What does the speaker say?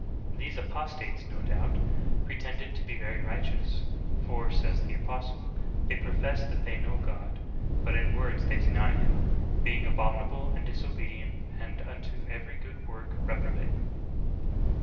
These apostates, no doubt, pretended to be very righteous; for, says the apostle, 'they profess that they know God : but in words they deny Him, being abom inable and disobedient and unto every good work reprobate.'